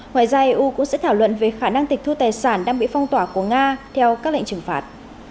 ngoài ra eu cũng sẽ thảo luận về khả năng tịch thu tài sản đang bị phong tỏa của nga theo các lệnh trừng phạt